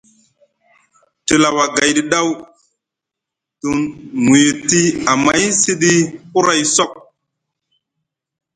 Te lawa gayɗi daw te ŋuyiɗi amay siɗi huray sok.